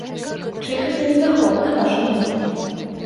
Чый гэта недахоп, на вашу думку?